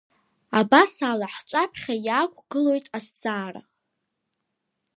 Абасала, ҳҿаԥхьа иаақәгылоит азҵаара…